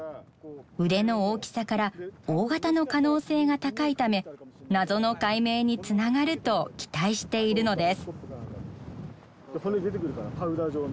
腕の大きさから大型の可能性が高いため謎の解明につながると期待しているのです。